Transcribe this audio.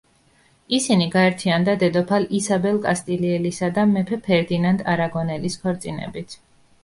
ისინი გაერთიანდა დედოფალ ისაბელ კასტილიელისა და მეფე ფერდინანდ არაგონელის ქორწინებით.